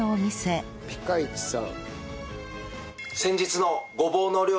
ピカイチさん。